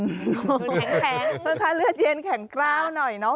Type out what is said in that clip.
แข็งแข็งค่ะเลือดเย็นแข็งกล้าวหน่อยเนอะ